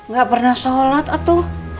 gak pernah sholat atau